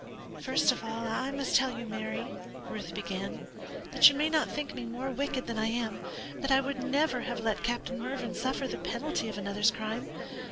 "First of all, I must tell you, Mary," Ruth began, "that you may not think me more wicked than I am, that I would never have let Captain Mervyn suffer the penalty of another's crime.